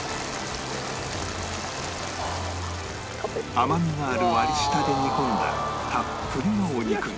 甘みがある割り下で煮込んだたっぷりのお肉が